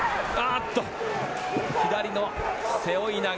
左の背負い投げ。